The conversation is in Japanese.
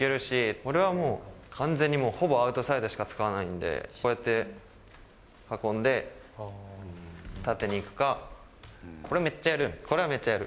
これはもう完全にもう、ほぼアウトサイドしか使わないので、そうやって、囲んで、縦に行くか、これはめっちゃやる、めっちゃやる。